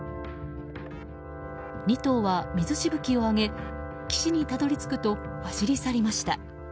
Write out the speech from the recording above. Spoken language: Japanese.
２頭は水しぶきを上げ岸にたどり着くと走り去りました。